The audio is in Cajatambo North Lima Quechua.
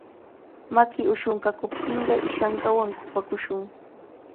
Maki ushunkaakuptinqa ishankawan kupakushun.